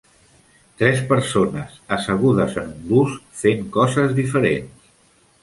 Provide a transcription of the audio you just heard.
Tres persones assegudes en un bus fent coses diferents.